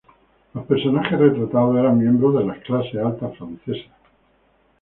Los personajes retratados eran miembros de las clases altas francesas.